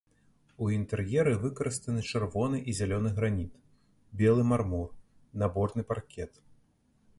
У інтэр'еры выкарыстаны чырвоны і зялёны граніт, белы мармур, наборны паркет.